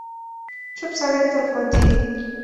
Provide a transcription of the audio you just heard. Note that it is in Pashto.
چوپ سړی، تل خوندي وي.